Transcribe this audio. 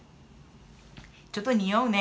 ちょっとにおうね。